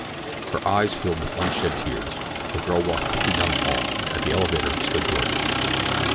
Her eyes filled with unshed tears, the girl walked quickly down the hall. At the elevator stood Doarty.